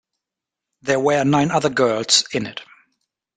There were nine other girls in it.